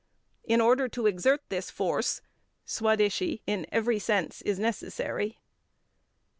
In order to exert this force, Swadeshi in every sense is necessary.